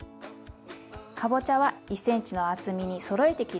かぼちゃは１ｃｍの厚みにそろえて切ります。